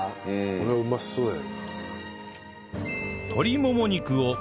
これはうまそうだよな。